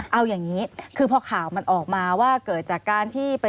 เอาอย่างนี้คือพอข่าวมันออกมาว่า